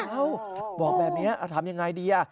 ฮะอ้าวบอกแบบนี้ทำอย่างไรดี